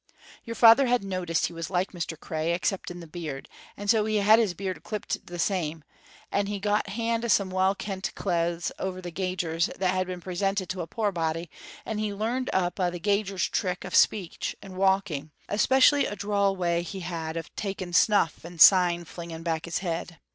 Your father had noticed he was like Mr. Cray, except in the beard, and so he had his beard clippit the same, and he got hand o' some weel kent claethes o' the gauger's that had been presented to a poor body, and he learned up a' the gauger's tricks of speech and walking, especially a droll w'y he had o' taking snuff and syne flinging back his head.